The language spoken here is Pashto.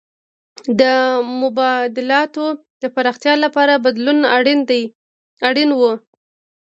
د مبادلاتو د پراختیا لپاره بدلون اړین و.